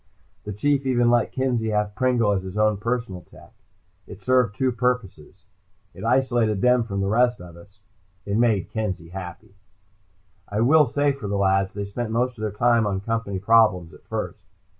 The Chief even let Kenzie have Pringle as his own personal tech. It served two purposes. It isolated them from the rest of us. It made Kenzie happy. I will say for the lads, they spent most of their time on Company problems, at first.